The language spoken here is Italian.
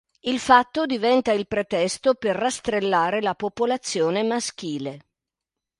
Il fatto diventa il pretesto per rastrellare la popolazione maschile.